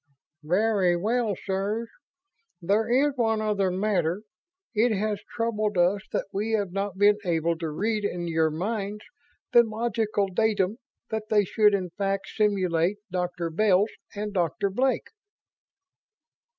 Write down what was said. "Very well, sirs. There is one other matter. It has troubled us that we have not been able to read in your minds the logical datum that they should in fact simulate Doctor Bells and Doctor Blake?"